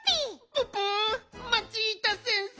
ププマチータ先生